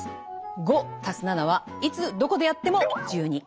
５＋７はいつどこでやっても１２。